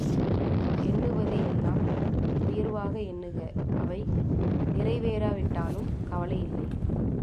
எண்ணுவது எல்லாம் உயர்வாக எண்ணுக அவை நிறைவேறாவிட்டாலும் கவலை இல்லை.